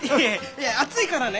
いや熱いからね。